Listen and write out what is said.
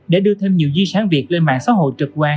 để đưa thêm nhiều di sản việt lên mạng xã hội trực quan và hấp dẫn hơn